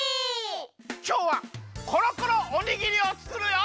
きょうはコロコロおにぎりをつくるよ！